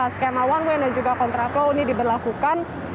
skema one way dan juga kontrak low ini diberlakukan